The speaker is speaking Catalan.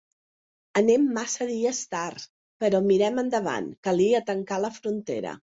Anem massa dies tard, però mirem endavant, calia tancar la frontera.